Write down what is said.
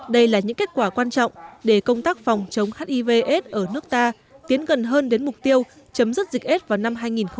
đây là những kết quả quan trọng để công tác phòng chống hivs ở nước ta tiến gần hơn đến mục tiêu chấm dứt dịch s vào năm hai nghìn ba mươi